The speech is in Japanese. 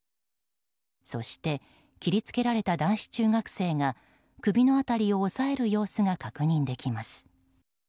そして切り付けられた男子中学生が首の辺りを押さえる様子が確認できます。